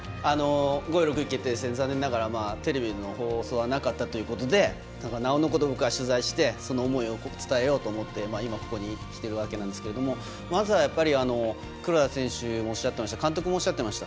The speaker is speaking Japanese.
５位、６位決定戦残念ながらテレビでの放送はなかったということでなおのこと僕は取材してその思いを届けようと思って今ここに来てるわけなんですけど黒田選手がおっしゃってました監督もおっしゃってました